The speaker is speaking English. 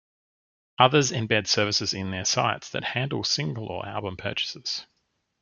Others embed services in their sites that handle single or album purchases.